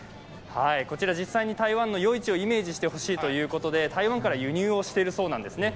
こちら、実際に台湾の夜市をイメージしてほしいということで台湾から輸入しているそうなんですね。